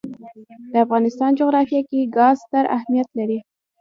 د افغانستان جغرافیه کې ګاز ستر اهمیت لري.